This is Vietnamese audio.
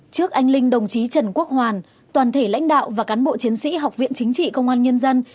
trước anh linh đồng chí trần quốc hoàn toàn thể lãnh đạo và cán bộ chiến sĩ học viện chính trị công an nhân dân